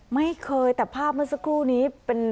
ไม่เคยแต่ภาพเมื่อสักครู่นี้เป็น